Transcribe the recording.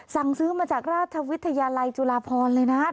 สั่งซื้อมาจากราชวิทยาลัยจุฬาพรเลยนะ